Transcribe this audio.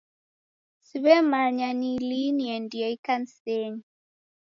Siw'emanya ni lii niendie ikanisenyi.